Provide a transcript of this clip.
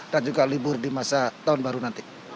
dan juga libur di masa tahun baru nanti